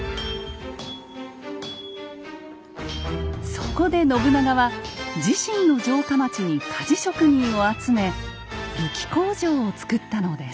そこで信長は自身の城下町に鍛冶職人を集め武器工場をつくったのです。